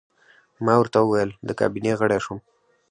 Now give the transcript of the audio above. ما ورته وویل: د کابینې غړی شوم.